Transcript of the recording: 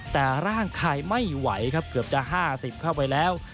แต่ร่างกายไม่ไหวครับเกือบจะ๕๐เข้าไปแล้ว